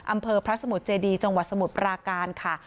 อำเภอพระสมุทรเจดีจังหวัดสมุทรปราการค่ะ